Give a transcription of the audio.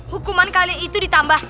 hukuman kalian itu ditambah